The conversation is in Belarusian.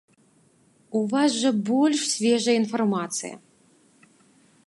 У вас жа больш свежая інфармацыя!